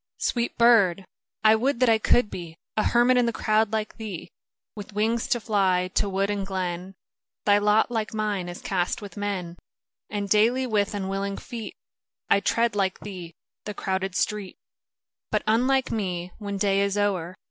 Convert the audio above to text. a (89) Sweet bird ! I would that I could be A hermit in the crowd like thee ! With wings to fly to wood and glen, Thy lot, like mine, is .cast with men; And daily, with unwilling feet, 1 tread, like thee, the crowded street ; But, unlike me, when day is o'er.